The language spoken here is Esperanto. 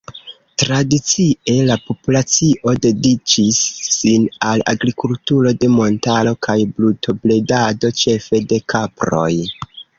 Tradicie la populacio dediĉis sin al agrikulturo de montaro kaj brutobredado, ĉefe de kaproj.